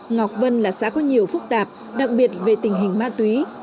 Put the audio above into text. ngọc vân là xã có nhiều phức tạp đặc biệt về tình hình ma túy